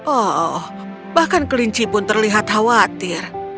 oh bahkan kelinci pun terlihat khawatir